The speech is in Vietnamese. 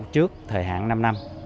trước thời hạn năm năm